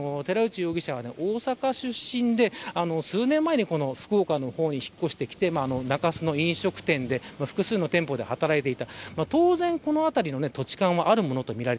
ＶＴＲにもあったとおり寺内容疑者は大阪出身で数年前に福岡の方に引っ越してきて中洲の飲食店で複数の店舗で働いていた。